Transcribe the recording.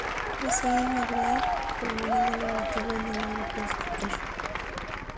Ese año Brown termina mal en la tabla y no logra clasificar.